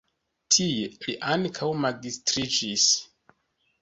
Tie li ankaŭ magistriĝis.